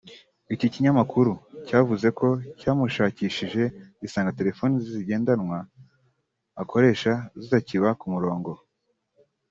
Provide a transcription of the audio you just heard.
iki kinyamakuru cyavuze ko cyamushakishije gisanga telefone zigendanwa akoresha zitakiba ku murongo